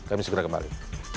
kami segera kembali